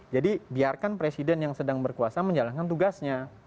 jadi biarkan presiden yang sedang berkuasa menjalankan tugasnya